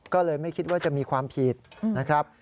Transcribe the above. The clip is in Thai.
ก็เลยไม่คิดว่าจะมีความผิดนะครับ